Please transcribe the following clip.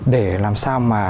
để làm sao mà